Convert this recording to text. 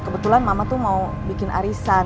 kebetulan mama tuh mau bikin arisan